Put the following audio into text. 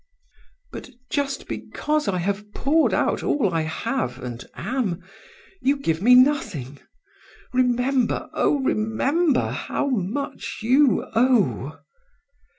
But just because I have poured out all I have and am, you give me nothing. Remember, oh, remember how much you owe!